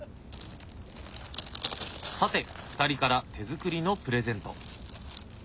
さて２人から手作りのプレゼント。